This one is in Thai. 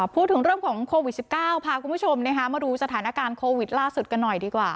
พูดถึงเรื่องของโควิด๑๙พาคุณผู้ชมมาดูสถานการณ์โควิดล่าสุดกันหน่อยดีกว่า